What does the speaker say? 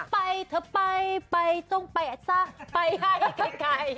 ไปเธอไปไปต้องไปอัทซ่าไปให้ใคร